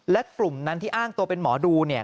และกลุ่มนั้นที่อ้างตัวเป็นหมอดูเนี่ย